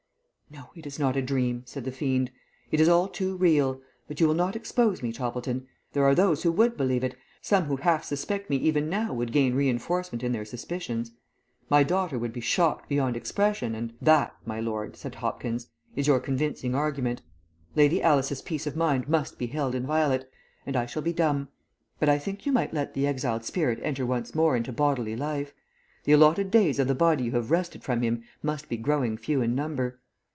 "No, it is no dream," said the fiend. "It is all too real, but you will not expose me, Toppleton. There are those who would believe it, some who half suspect me even now would gain re enforcement in their suspicions. My daughter would be shocked beyond expression and " "That, my lord," said Hopkins "is your convincing argument. Lady Alice's peace of mind must be held inviolate, and I shall be dumb; but I think you might let the exiled spirit enter once more into bodily life. The allotted days of the body you have wrested from him must be growing few in number.